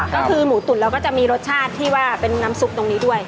ก็คือหมูตุ๋นเราก็จะมีรสชาติที่ว่าเป็นน้ำซุปตรงนี้ด้วย